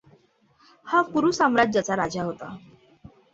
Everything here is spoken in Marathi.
हा कुरु साम्राज्जाचा राजा होता.